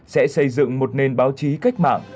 sẽ xây dựng một nền báo chí cách mạng